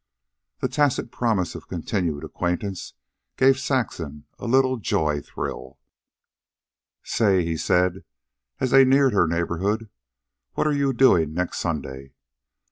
This tacit promise of continued acquaintance gave Saxon a little joy thrill. "Say," he said, as they neared her neighborhood, "what are you doin' next Sunday?"